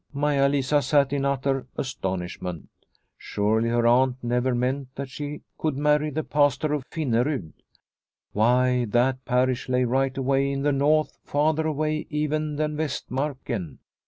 Maia Lisa sat in utter astonishment. Surely her aunt never meant that she could marry the Pastor of Finnerud. Why, that parish lay right away in the north, farther away even than Vastmarken.